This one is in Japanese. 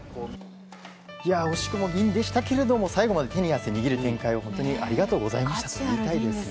惜しくも銀でしたが最後まで手に汗握る展開を本当にありがとうございましたと言いたいですね。